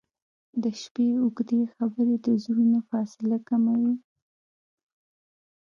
• د شپې اوږدې خبرې د زړونو فاصله کموي.